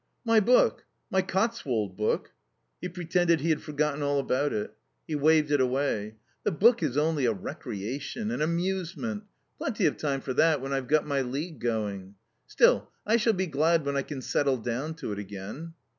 "My book? My Cotswold book?" He pretended he had forgotten all about it. He waved it away. "The book is only a recreation, an amusement. Plenty of time for that when I've got my League going. Still, I shall be glad when I can settle down to it, again."....